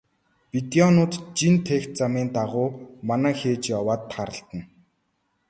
Бедоинууд жин тээх замын дагуу манаа хийж яваад тааралдана.